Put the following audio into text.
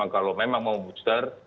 kalau memang mau booster